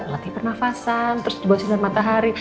latih pernafasan terus dibuat sinar matahari